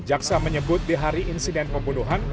jaksa menyebut di hari insiden pembunuhan